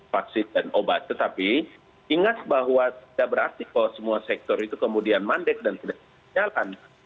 vaksin dan obat tetapi ingat bahwa tidak berarti kalau semua sektor itu kemudian mandek dan tidak jalan